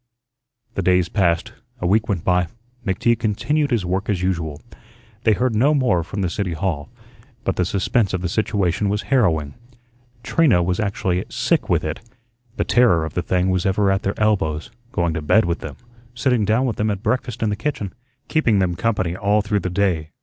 The days passed, a week went by, McTeague continued his work as usual. They heard no more from the City Hall, but the suspense of the situation was harrowing. Trina was actually sick with it. The terror of the thing was ever at their elbows, going to bed with them, sitting down with them at breakfast in the kitchen, keeping them company all through the day.